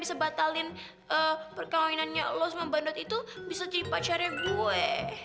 sebatalin perkawinannya lo sama bandot itu bisa jadi pacarnya gue